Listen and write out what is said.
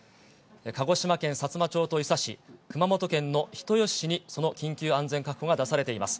鹿児島県さつま町と伊佐市、熊本県の人吉市にその緊急安全確保が出されています。